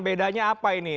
bedanya apa ini